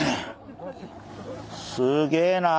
すげえな！